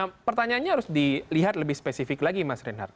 nah pertanyaannya harus dilihat lebih spesifik lagi mas reinhardt